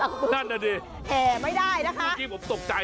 ผมเพิ่งเคยเห็นทั้งแรก